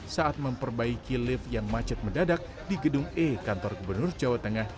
saat memperbaiki lift yang macet mendadak di gedung e kantor gubernur jawa tengah